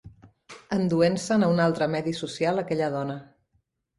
Enduent-se'n a un altre medi social aquella dona